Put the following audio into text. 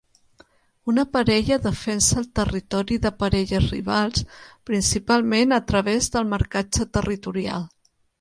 Una parella defensa el territori de parelles rivals principalment a través del marcatge territorial.